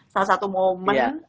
salah satu momen